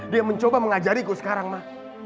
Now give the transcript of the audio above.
dia mencoba mengajariku sekarang mah